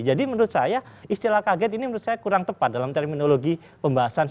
jadi menurut saya istilah kaget ini kurang tepat dalam terminologi pembahasan